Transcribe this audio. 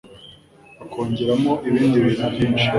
bakongeramo ibindi bintu byinshi